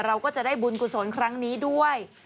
เราก็จะได้บุญกุศลครั้งนี้ด้วย